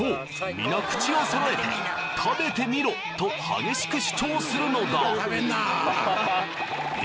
みな口をそろえて「食べてみろ」と激しく主張するのだいや